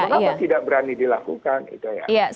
kenapa tidak berani dilakukan